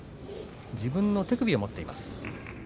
自分の手首を持っています。